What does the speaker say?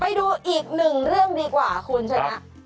ไปดูอีกหนึ่งเรื่องดีกว่าคุณชนะ